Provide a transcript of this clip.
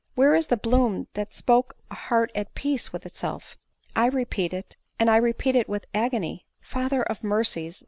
where is the bloom that spoke a heart at peace with itself? I repeat it, and I repeat it with agony. — Father of mercies